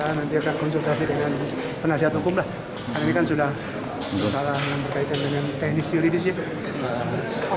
ini kan sudah salah yang berkaitan dengan teknik siuridisnya